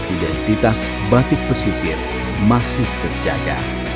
identitas batik pesisir masih terjaga